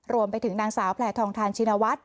รวมไปถึงนางสาวแพลทองทานชินวัฒน์